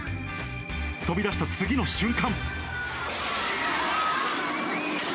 飛び出した次の瞬間。